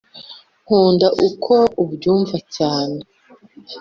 nkunda uko ubyumva cyane